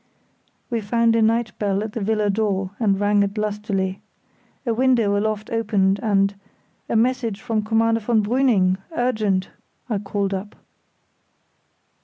We found a night bell at the villa door and rang it lustily. A window aloft opened, and "A message from Commander von Brüning—urgent," I called up.